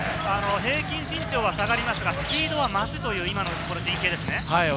平均身長は下がりますが、スピードは増すという今のこの陣形ですね。